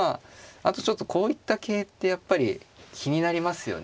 あとちょっとこういった桂ってやっぱり気になりますよね。